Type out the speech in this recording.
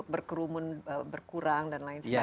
berkerumun berkurang dan lain sebagainya